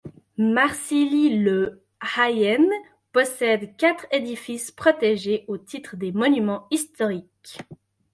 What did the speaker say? Marcilly-le-Hayer possède quatre édifices protégées au titre des monuments historiques.